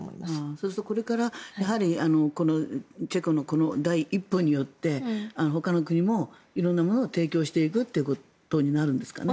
そうするとこれからチェコの第一歩によってほかの国も色んなものを提供していくということになるんですかね。